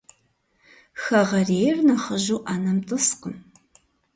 Хэгъэрейр нэхъыжьу ӏэнэм тӏыскъым.